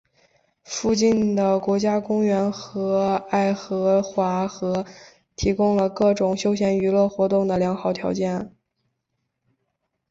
附近的国家公园和爱荷华河提供了各种休闲娱乐活动的良好条件。